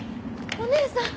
お姉さん！